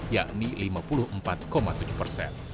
yakni lima puluh empat tujuh persen